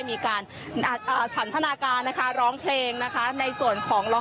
มีการอ่าอ่าสันพนาการนะคะร้องเพลงนะคะในส่วนของ